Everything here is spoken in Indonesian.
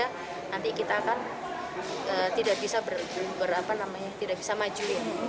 nanti kita akan tidak bisa maju